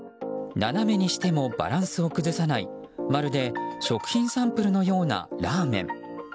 斜めにしてもバランスを崩さないまるで食品サンプルのようなラーメン。